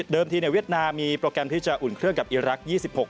ทีเวียดนามมีโปรแกรมที่จะอุ่นเครื่องกับอีรักษ์๒๖